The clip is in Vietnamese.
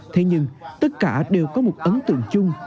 thế nhưng tất cả đều có một ấn tượng chung